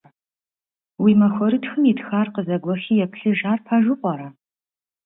Уи махуэрытхым итхар къызэгуэхи еплъыж, ар пэжу пӀэрэ?